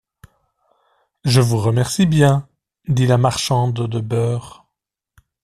Je vous remercie bien, dit la marchande de beurre.